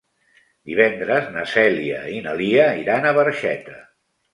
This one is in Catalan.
Divendres na Cèlia i na Lia iran a Barxeta.